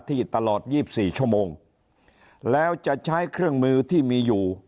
ที่ตลอด๒๔ชั่วโมงแล้วจะใช้เครื่องมือที่มีอยู่